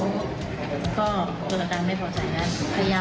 มันจอดอย่างง่ายอย่างง่ายอย่างง่ายอย่างง่ายอย่างง่าย